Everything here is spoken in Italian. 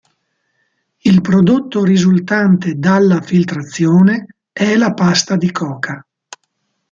Il prodotto risultante dalla filtrazione è la pasta di coca.